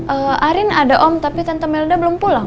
eh arin ada om tapi tante melda belum pulang